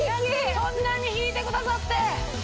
そんなに引いてくださって！